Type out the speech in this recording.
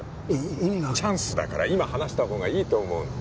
意味がチャンスだから今話した方がいいと思うんだ